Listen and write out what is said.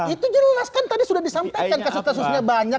itu jelas kan tadi sudah disampaikan kasus kasusnya banyak